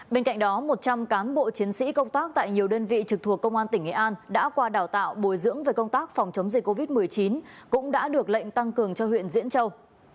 bên cạnh đó một trăm linh cán bộ chiến sĩ công tác tại nhiều đơn vị trực thuộc công an tỉnh nghệ an đã qua đào tạo bồi dưỡng về công tác phòng chống dịch covid một mươi chín cũng đã được lệnh tăng cường cho huyện diễn châu